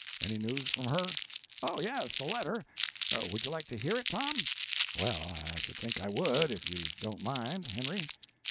Any news from her?" "Oh, yes, a letter. Would you like to hear it, Tom?" "Well, I should think I would, if you don't mind, Henry!"